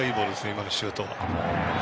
今のシュート。